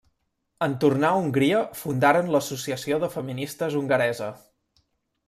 En tornar a Hongria, fundaren l'Associació de Feministes hongaresa.